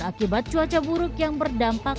akibat cuaca buruk yang berdampak